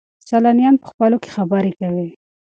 سیلانیان په خپلو کې خبرې کوي.